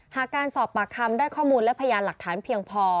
หากการสอบปากคำได้ข้อมูลและพยานหลักฐานเพียงพอ